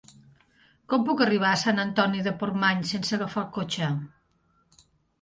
Com puc arribar a Sant Antoni de Portmany sense agafar el cotxe?